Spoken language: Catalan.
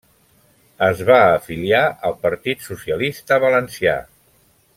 Es va afiliar al Partit Socialista Valencià.